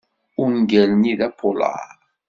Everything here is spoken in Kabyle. Ungal-nni d apulaṛ.